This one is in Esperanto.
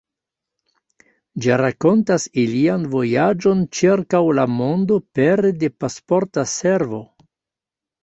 Ĝi rakontas ilian vojaĝon ĉirkaŭ la mondo pere de Pasporta Servo.